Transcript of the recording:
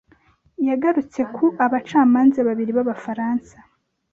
yagarutse ku abacamanza babiri b’Abafaransa,